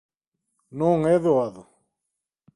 Non é doado!